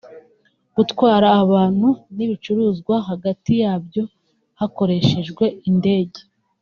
gutwara abantu n’ibicuruzwa hagati yabyo hakoreshejwe indege